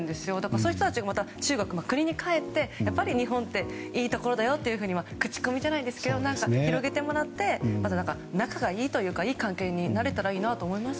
そういう人たちが中国に帰ってやっぱり日本っていいところだよっていうふうに口コミじゃないですけど広げてもらって仲がいいというか、いい関係になれたらいいなと思います。